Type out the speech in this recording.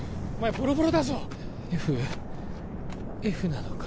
ボロボロだぞＦＦなのか？